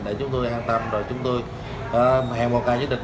để chúng tôi an tâm rồi chúng tôi hẹn một ngày nhất định